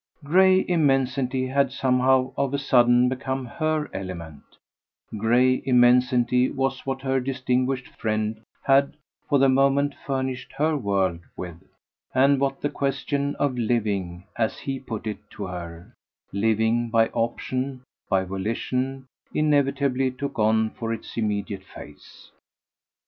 Grey immensity had somehow of a sudden become her element; grey immensity was what her distinguished friend had, for the moment, furnished her world with and what the question of "living," as he put it to her, living by option, by volition, inevitably took on for its immediate face.